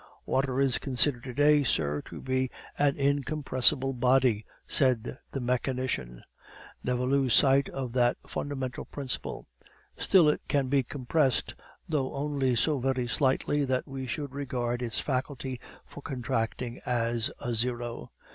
"Water is considered to day, sir, to be an incompressible body," said the mechanician; "never lose sight of that fundamental principle; still it can be compressed, though only so very slightly that we should regard its faculty for contracting as a zero.